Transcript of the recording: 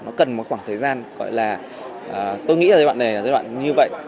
nó cần một khoảng thời gian tôi nghĩ là giai đoạn này là giai đoạn như vậy